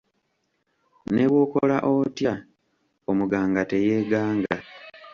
Ne bw’okola otya, omuganga teyeeganga.